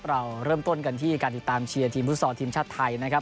เราเริ่มต้นกันที่การติดตามเชียร์ทีมฟุตซอลทีมชาติไทยนะครับ